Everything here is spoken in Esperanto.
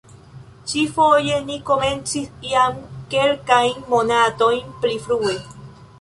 Ĉi-foje ni komencis jam kelkajn monatojn pli frue.